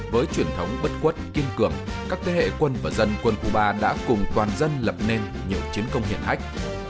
với truyền thống bất quất kiên cường các thế hệ quân và dân quân khu ba đã cùng toàn dân lập nên nhiều chiến công hiển hách